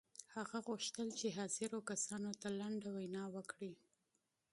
هغه غوښتل چې حاضرو کسانو ته لنډه وینا وکړي